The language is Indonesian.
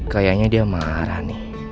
kayaknya dia marah nih